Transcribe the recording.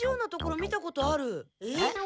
えっ？